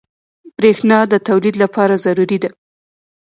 بریښنا د تولید لپاره ضروري ده.